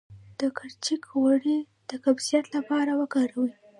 د کرچک غوړي د قبضیت لپاره وکاروئ